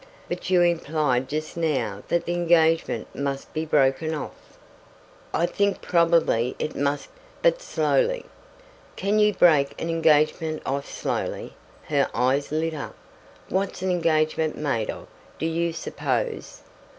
"But you implied just now that the engagement must be broken off." "I think probably it must; but slowly." "Can you break an engagement off slowly?" Her eyes lit up. "What's an engagement made of, do you suppose?